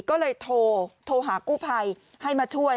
เกิดมีก็เลยโทรโทรหากู้ภัยให้มาช่วย